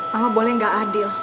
mama boleh gak adil